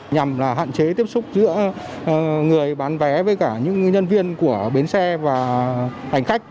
nhằm hạn chế tiếp xúc giữa người bán vé với cả những nhân viên của bến xe và hành khách